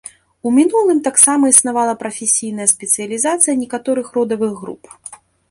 У мінулым таксама існавала прафесійная спецыялізацыя некаторых родавых груп.